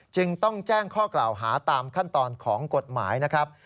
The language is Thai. จึงต้องแจ้งข้อกล่าวหาตามขั้นตอนของกฎหมายนะครับ